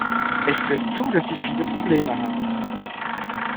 Es trifft zu, dass sie viele Probleme hat.